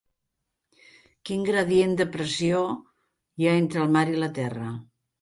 Quin gradient de pressió hi ha entre el mar i la terra?